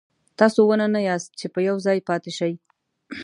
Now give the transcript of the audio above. تاسو ونه نه یاست چې په یو ځای پاتې شئ.